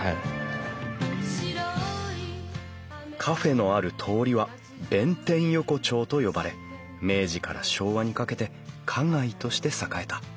カフェのある通りは弁天横丁と呼ばれ明治から昭和にかけて花街として栄えた。